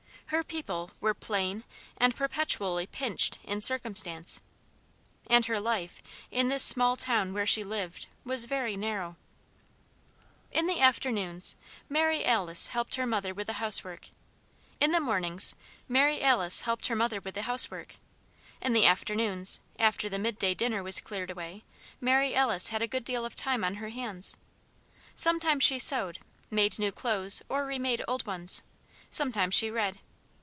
Her people were "plain" and perpetually "pinched" in circumstance. And her life, in this small town where she lived, was very narrow. In the mornings, Mary Alice helped her mother with the housework. In the afternoons, after the midday dinner was cleared away, Mary Alice had a good deal of time on her hands. Sometimes she sewed made new clothes or remade old ones; sometimes she read.